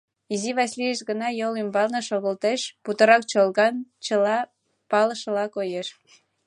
Изи Васлийышт гына йол ӱмбалне шогылтеш, путырак чолган, чыла палышыла коеш.